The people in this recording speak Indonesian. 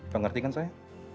kau ngerti kan saya